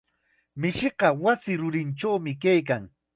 Mishiqa wasi rurinchawmi kaykan.